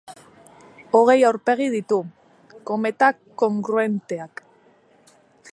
Hogei aurpegi ditu: kometa kongruenteak.